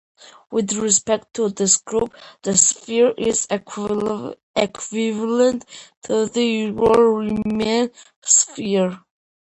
With respect to this group, the sphere is equivalent to the usual Riemann sphere.